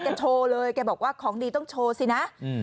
โชว์เลยแกบอกว่าของดีต้องโชว์สินะ